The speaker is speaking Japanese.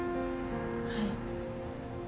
はい。